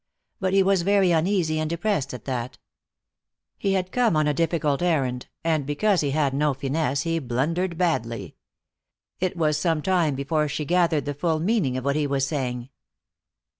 But he was very uneasy and depressed, at that. He had come on a difficult errand, and because he had no finesse he blundered badly. It was some time before she gathered the full meaning of what he was saying.